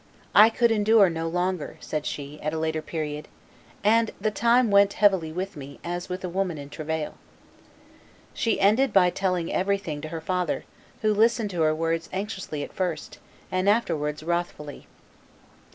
"I could endure no longer," said she, at a later period, "and the time went heavily with me as with a woman in travail." She ended by telling everything to her father, who listened to her words anxiously at first, and afterwards wrathfully.